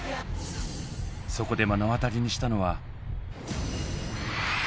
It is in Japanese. そこで目の当たりにしたのは。